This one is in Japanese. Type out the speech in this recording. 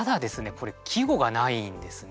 これ季語がないんですね。